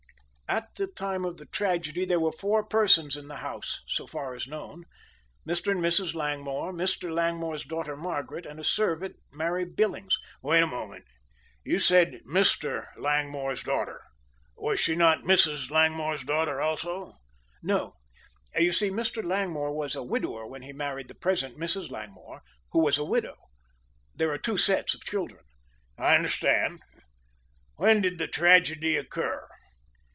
"At the time of the tragedy there were four persons in the house, so far as known Mr. and Mrs. Langmore, Mr. Langmore's daughter, Margaret, and a servant, Mary Billings." "Wait a moment. You said Mr. Langmore's daughter. Was she not Mrs. Langmore's daughter also?" "No. You see Mr. Langmore was a widower when he married the present Mrs. Langmore, who was a widow. There are two sets of children." "I understand. When did the tragedy occur?"